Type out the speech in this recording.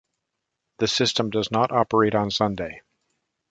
The system does not operate on Sunday.